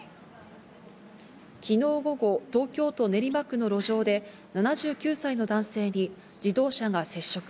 昨日午後、東京都練馬区の路上で７９歳の男性に自動車が接触。